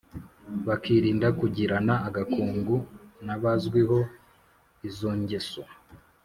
bakirinda kugirana agakungu n’abazwiho izongeso